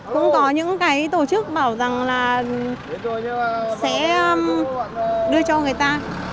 cũng có những cái tổ chức bảo rằng là sẽ đưa cho người ta